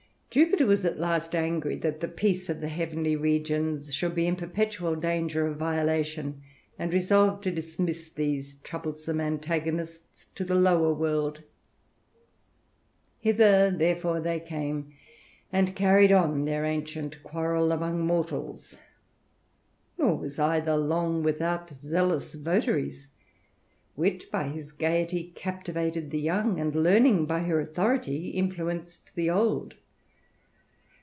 Jupiter was at last angry that the peace of the heavenly regions should be in perpetual danger of violation, and resolved to dismiss these troublesome antagonists to the lower world. Hither therefore they came, and carried on their ancient quarrel among mortals, nor was either long without zealous votaries. Wit, by his gaiety, captivated the young; and Learning, by her authority, influenced the old.